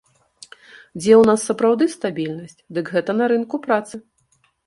Дзе ў нас сапраўды стабільнасць, дык гэта на рынку працы.